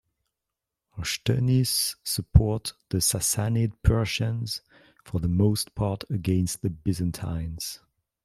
Rshtunis support the Sassanid Persians for the most part against the Byzantines.